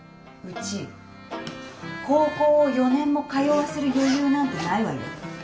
うち高校を４年も通わせる余裕なんてないわよ。